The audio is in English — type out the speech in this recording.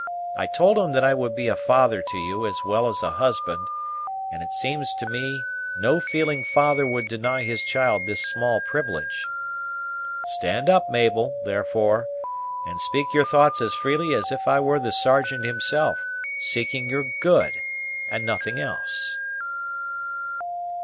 I told him that I would be a father to you as well as a husband, and it seems to me no feeling father would deny his child this small privilege. Stand up, Mabel, therefore, and speak your thoughts as freely as if I were the Sergeant himself, seeking your good, and nothing else."